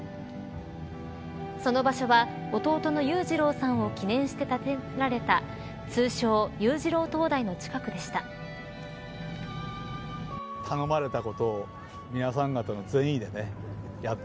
その場所は弟の裕次郎さんを記念して建てられた通称、裕次郎灯台の近くでした。